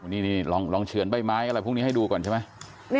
นี่ลองเฉือนใบไม้อะไรพวกนี้ให้ดูก่อนใช่ไหม